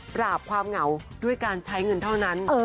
ความเหงาด้วยการใช้เงินเท่านั้น